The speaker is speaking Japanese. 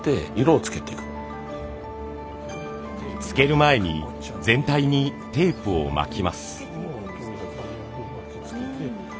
つける前に全体にテープを巻きます。